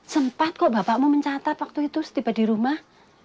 sempat kok bapakmu mencatat waktu itu setiba di rumah